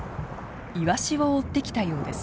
イワシを追ってきたようです。